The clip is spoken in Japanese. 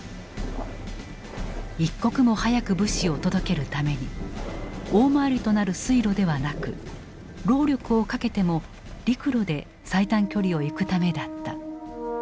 一刻も早く物資を届けるために大回りとなる水路ではなく労力をかけても陸路で最短距離を行くためだった。